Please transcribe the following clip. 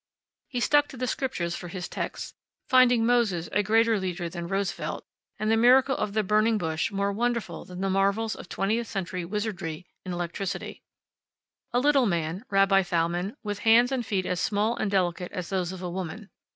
He stuck to the Scriptures for his texts, finding Moses a greater leader than Roosevelt, and the miracle of the Burning Bush more wonderful than the marvels of twentieth century wizardy in electricity. A little man, Rabbi Thalmann, with hands and feet as small and delicate as those of a woman.